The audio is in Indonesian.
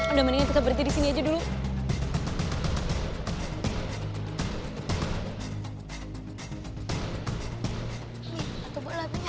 udah mendingan kita berdiri disini aja dulu